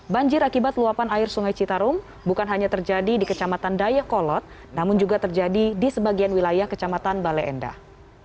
banjir akibat luapan air sungai citarum bukan hanya terjadi di kecamatan dayakolot namun juga terjadi di sebagian wilayah kecamatan bale endah